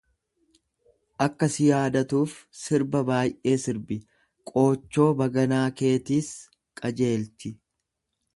Akka si yaadatuuf sirba baay'ee sirbi, qoochoo baganaa keetiis qajeelchi.